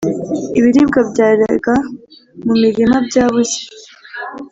Ibiribwa byeraga mu mirima byabuze